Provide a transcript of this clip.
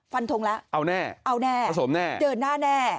ฟันทงแล้วเอาแน่เอาแน่ผสมแน่เดินหน้าแน่